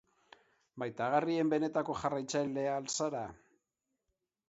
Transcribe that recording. Maitagarrien benetako jarraitzaileak al zara?